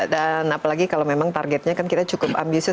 dan apalagi kalau memang targetnya kita cukup ambisius